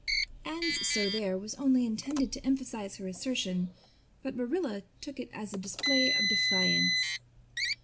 Anne's "so there" was only intended to emphasize her assertion, but Marilla took it as a display of defiance.